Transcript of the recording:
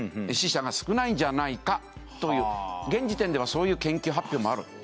死者が少ないんじゃないかという現時点ではそういう研究発表もある。